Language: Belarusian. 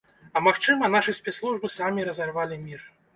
А магчыма, нашы спецслужбы самі разарвалі мір.